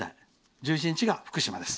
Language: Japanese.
１１日が福島です。